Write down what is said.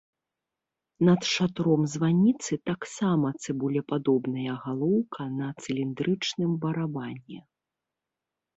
Над шатром званіцы таксама цыбулепадобная галоўка на цыліндрычным барабане.